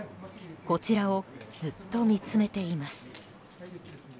こちらをずっと見つめています。